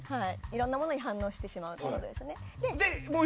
いろんなものに反応してしまうんですね。